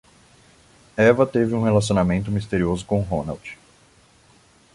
Eva teve um relacionamento misterioso com Ronald.